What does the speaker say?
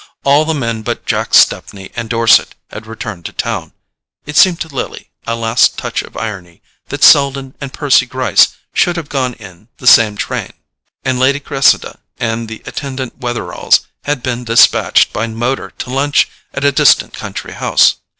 All the men but Jack Stepney and Dorset had returned to town (it seemed to Lily a last touch of irony that Selden and Percy Gryce should have gone in the same train), and Lady Cressida and the attendant Wetheralls had been despatched by motor to lunch at a distant country house.